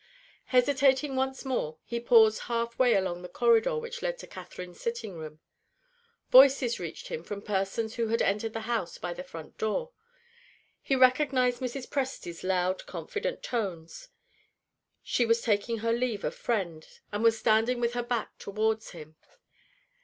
Hesitating once more, he paused half way along the corridor which led to Catherine's sitting room. Voices reached him from persons who had entered the house by the front door. He recognized Mrs. Presty's loud confident tones. She was taking leave of friends, and was standing with her back toward him.